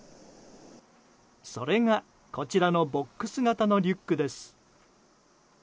それが、こちらのボックス型のリュックです。